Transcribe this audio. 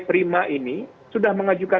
pemilu yang terkasih adalah penggunaan kekuatan